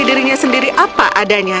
dia belajar menerima kebenaran